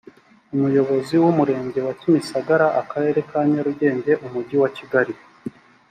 umuyobozi w’umurenge wa kimisagara akarere ka nyarugenge umujyi wa kigali